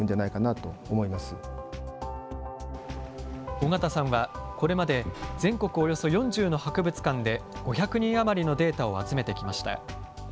緒方さんは、これまで全国およそ４０の博物館で５００人余りのデータを集めてきました。